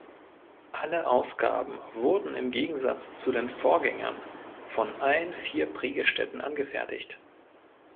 Alle Ausgaben wurden im Gegensatz zu den Vorgängern von allen vier Prägestätten angefertigt.